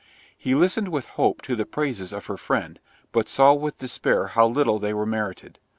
He listened with hope to the praises of her friend, but saw with despair how little they were merited.